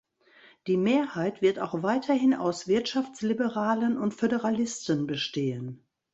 Die Mehrheit wird auch weiterhin aus Wirtschaftsliberalen und Föderalisten bestehen.